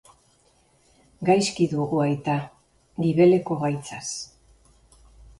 Gaizki dugu aita, gibeleko gaitzaz.